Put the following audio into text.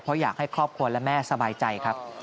เพราะอยากให้ครอบครัวและแม่สบายใจครับ